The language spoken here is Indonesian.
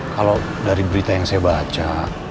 kalau dari berita yang saya baca